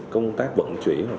công tác vận chuyển